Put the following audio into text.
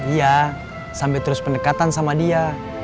iya sampai terus pendekatan sama dia